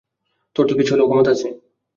তোর তো কিছু হলেও ক্ষমতা আছে।